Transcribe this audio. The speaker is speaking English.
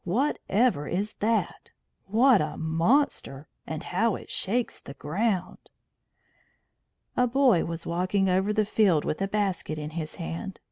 Whatever is that? What a monster! And how it shakes the ground!" A boy was walking over the field with a basket in his hand.